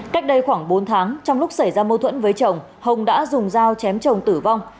cách đây khoảng bốn tháng trong lúc xảy ra mâu thuẫn với chồng hồng đã dùng dao chém chồng tử vong